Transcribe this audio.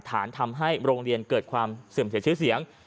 ฐานทำให้โรงเรียนเกิดความเสื่อมเสียชื่อเสียง